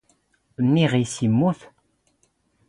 ⵏⵏⵉⵖ ⵉⵙ ⵉⵎⵎⵓⵜ.